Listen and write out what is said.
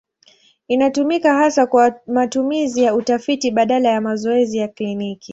Inatumika hasa kwa matumizi ya utafiti badala ya mazoezi ya kliniki.